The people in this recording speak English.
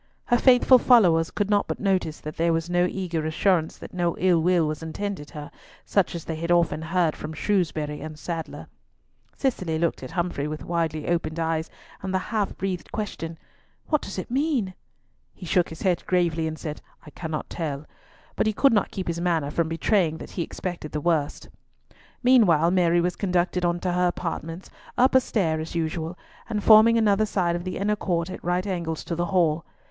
Her faithful followers could not but notice that there was no eager assurance that no ill was intended her, such as they had often heard from Shrewsbury and Sadler. Cicely looked at Humfrey with widely opened eyes, and the half breathed question, "What does it mean?" He shook his head gravely and said, "I cannot tell," but he could not keep his manner from betraying that he expected the worst. Meanwhile Mary was conducted on to her apartments, up a stair as usual, and forming another side of the inner court at right angles to the Hall.